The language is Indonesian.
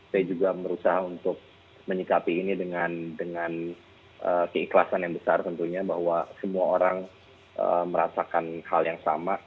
saya juga berusaha untuk menyikapi ini dengan keikhlasan yang besar tentunya bahwa semua orang merasakan hal yang sama